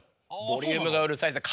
ボリュームがうるさいとか。